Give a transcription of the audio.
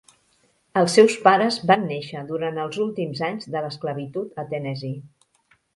Els seus pares van néixer durant els últims anys de l'esclavitud a Tennessee.